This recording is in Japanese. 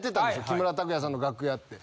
木村拓哉さんの楽屋って。